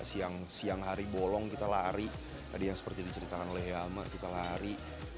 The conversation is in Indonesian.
siang siang hari bolong kita lari tadi yang seperti diceritakan oleh yama kita lari